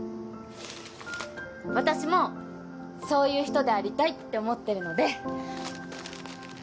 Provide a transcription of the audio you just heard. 私もそういう人でありたいって思ってるので。